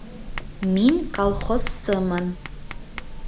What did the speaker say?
Мин колхозсымын